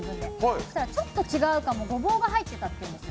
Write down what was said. そしたら、ちょっと違うかも、ごぼうが入ったって言うんですよ。